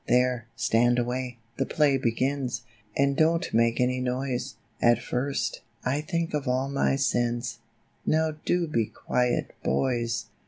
" There, stand away ; the play begins ; And don't make any noise. At first, I think of all my sins ; Now do be quiet, boys